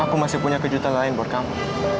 aku masih punya kejutan lain buat kamu